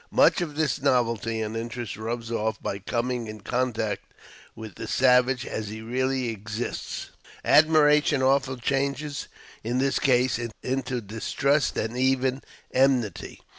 Much of this novelty and interest rubs off by coming in contact with the savage as he really exists. Admiration often changes, in this case, into distrust and even enmity.